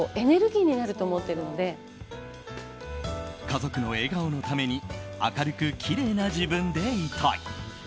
家族の笑顔のために明るくきれいな自分でいたい。